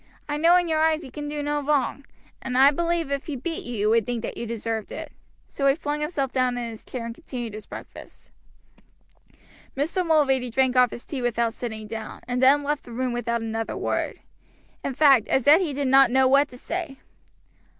I know in your eyes he can do no wrong. And I believe if he beat you, you would think that you deserved it." So he flung himself down in his chair and continued his breakfast. Mr. Mulready drank off his tea without sitting down, and then left the room without another word; in fact, as yet he did not know what to say.